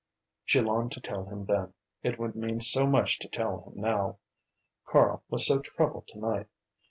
She longed to tell him then; it would mean so much to tell him now, Karl was so troubled to night.